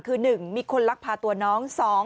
คือ๑มีคนลักพาตัวน้อง